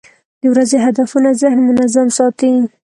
د ورځې هدفونه ذهن منظم ساتي.